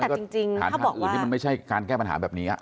แต่จริงถ้าบอกว่าหารทางอื่นมันไม่ใช่การแก้ปัญหาแบบนี้อ่ะ